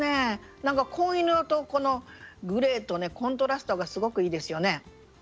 なんか紺色とこのグレーとねコントラストがすごくいいですよね。